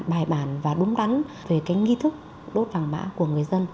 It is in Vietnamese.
bài bản và đúng đắn về cái nghi thức đốt vàng mã của người dân